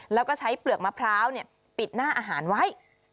แล้วก็ใช้เปลือกมะพร้าวปิดหน้าอาหารไว้